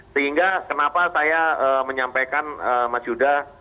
sehingga kenapa saya menyampaikan mas yuda